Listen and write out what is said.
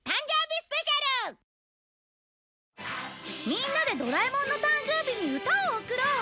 みんなでドラえもんの誕生日に歌を贈ろう！